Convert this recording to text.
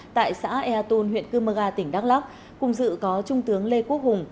tại xã ea tôn huyện cư mơ ga tỉnh đắk lắc cùng dự có trung tướng lê quốc hùng